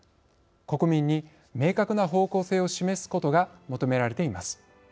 国民に明確な方向性を示すことが求められています。